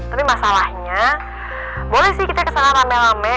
tapi masalahnya boleh sih kita kesana rame rame